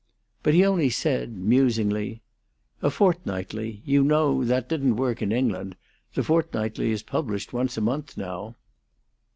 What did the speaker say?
But he only said, musingly: "A fortnightly. You know that didn't work in England. The fortnightly is published once a month now."